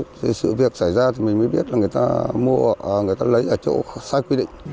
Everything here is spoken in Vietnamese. thì sự việc xảy ra thì mình mới biết là người ta mua người ta lấy ở chỗ sai quy định